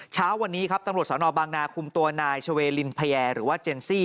เช้าวันนี้ครับตำรวจสนบางนาคุมตัวนายชเวลินพญาหรือว่าเจนซี่